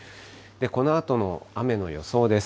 このあとの雨の予想です。